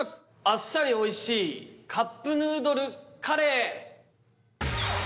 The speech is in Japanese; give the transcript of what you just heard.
あっさりおいしいカップヌードルカレー。